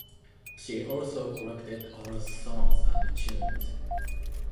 She also collected old songs and tunes.